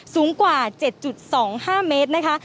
สูงกว่า๗๒๕เมตรนะคะ